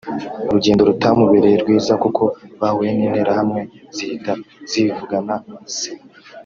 urugendo rutamubereye rwiza kuko bahuye n’Interahamwe zihita zivugana se